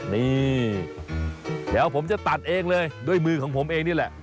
นี่เดี๋ยวผมจะตัดเองเลยด้วยมือของผมเองนี่แหละ